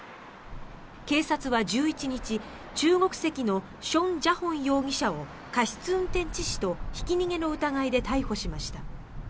警察は１１日、中国籍のション・ジャホン容疑者を過失運転致死とひき逃げの疑いで逮捕しました。